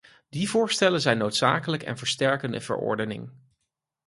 Die voorstellen zijn noodzakelijk en versterken de verordening.